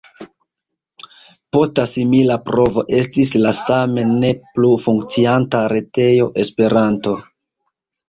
Posta simila provo estis la same ne plu funkcianta retejo Esperanto.